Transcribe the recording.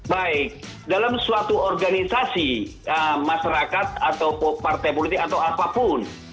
baik dalam suatu organisasi masyarakat atau partai politik atau apapun